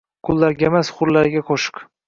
Qullargamas, hurlarga qoʻshiq